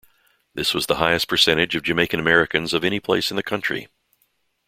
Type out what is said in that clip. This was the highest percentage of Jamaican Americans of any place in the country.